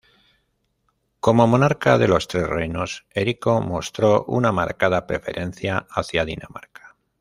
Como monarca de los tres reinos, Erico mostró una marcada preferencia hacia Dinamarca.